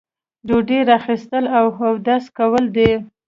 ډوډۍ را اخیستل او اودس کول دي.